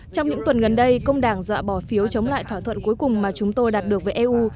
trong những tuần gần đây công đảng dọa bỏ phiếu chống lại thỏa thuận cuối cùng mà chúng tôi đạt được với eu